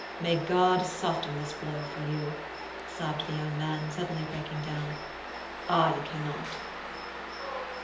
May God soften this blow for you!" sobbed the young man, suddenly breaking down; "I cannot!"